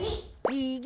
みぎ！